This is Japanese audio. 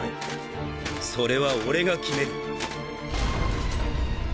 それは俺が決める。